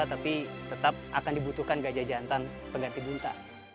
tapi tetap akan dibutuhkan gajah jantan pengganti bunta